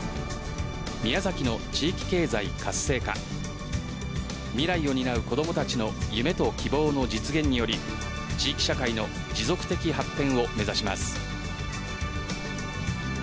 宮崎の地域経済活性化未来を担う子供たちの夢と希望の実現により地域社会の持続的発展を目指します。